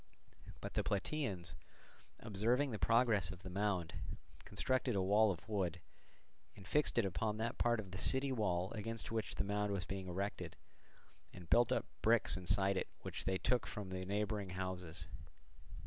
But the Plataeans, observing the progress of the mound, constructed a wall of wood and fixed it upon that part of the city wall against which the mound was being erected, and built up bricks inside it which they took from the neighbouring houses.